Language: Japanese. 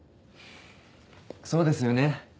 そうですよね？